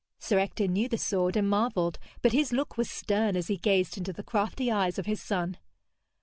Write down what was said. Sir Ector knew the sword and marvelled, but his look was stern as he gazed into the crafty eyes of his son.